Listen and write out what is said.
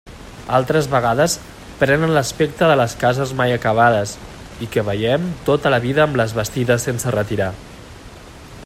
Altres vegades prenen l'aspecte de les cases mai acabades i que veiem tota la vida amb les bastides sense retirar.